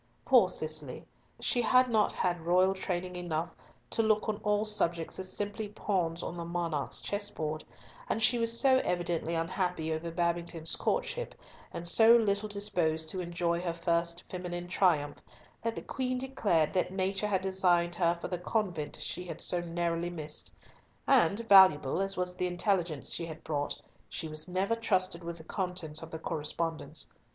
Poor Cicely! she had not had royal training enough to look on all subjects as simply pawns on the monarch's chess board; and she was so evidently unhappy over Babington's courtship, and so little disposed to enjoy her first feminine triumph, that the Queen declared that Nature had designed her for the convent she had so narrowly missed; and, valuable as was the intelligence she had brought, she was never trusted with the contents of the correspondence.